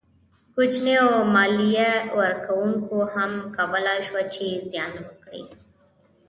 کوچنیو مالیه ورکوونکو هم کولای شوای چې زیان کړي.